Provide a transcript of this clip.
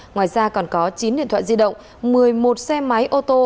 ngoài ra còn có chín điện thoại di động một mươi một xe máy ô tô